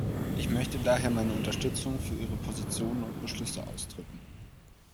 Ich möchte daher meine Unterstützung für ihre Positionen und Beschlüsse ausdrücken.